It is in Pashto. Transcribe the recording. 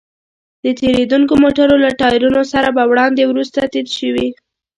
د تېرېدونکو موټرو له ټايرونو سره به وړاندې وروسته تيت شوې.